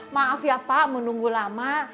maaf ya pak menunggu lama